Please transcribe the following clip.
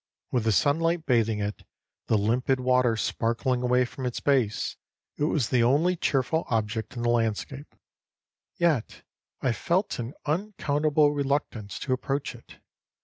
With the sunlight bathing it, the limpid water sparkling away from its base, it was the only cheerful object in the landscape; yet I felt an unaccountable reluctance to approach it.